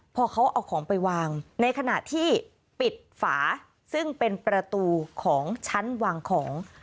พอเขาเอาของไปวางในขณะที่ปิดฝาซึ่งเป็นประตูของชั้นวางของ